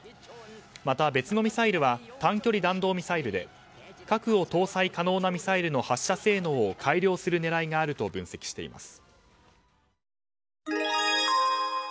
また、別のミサイルは短距離弾道ミサイルで核を搭載可能なミサイルの発射性能を改良する狙いがあると分析しています。